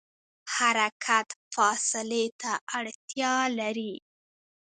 حرکت فاصلې ته اړتیا لري.